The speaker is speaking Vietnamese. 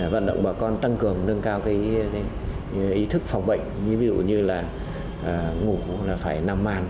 vận động bà con tăng cường nâng cao ý thức phòng bệnh như ngủ phải nằm man